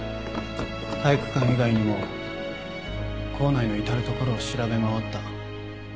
体育館以外にも校内の至る所を調べ回った。